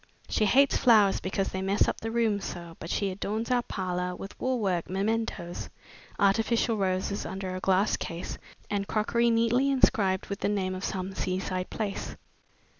She hates flowers because they mess up the rooms so, but she adorns our parlor with wool work mementoes, artificial roses under a glass case, and crockery neatly inscribed with the name of some seaside place."